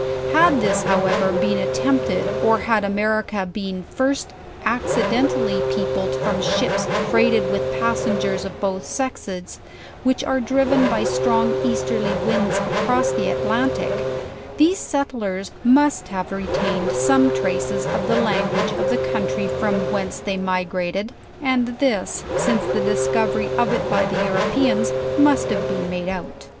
Had this, however, been attempted, or had America been first accidentally peopled from ships freighted with passengers of both sexes, which are driven by strong easterly winds across the Atlantic, these settlers must have retained some traces of the language of the country from 172 , JOURNAL OF whence they migrated; and this, since the discovery of it by. the Europeans, must have been made out.